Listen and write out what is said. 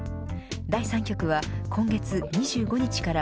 第３局は今月２５日から